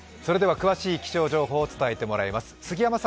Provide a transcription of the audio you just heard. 詳しい気象情報を伝えてもらいます。